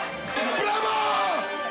ブラボー！